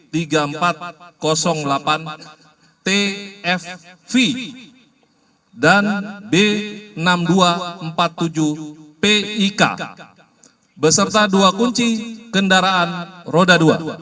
tiga empat tfv dan b enam ribu dua ratus empat puluh tujuh pik beserta dua kunci kendaraan roda dua